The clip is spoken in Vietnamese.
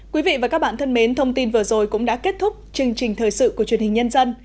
quý vị và các bạn thân mến thông tin vừa rồi cũng đã kết thúc chương trình thời sự của truyền hình nhân dân